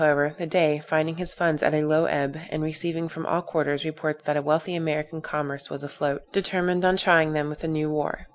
_] In 1812, however, the Dey, finding his funds at a low ebb, and receiving from all quarters reports that a wealthy American commerce was afloat, determined on trying them with a new war.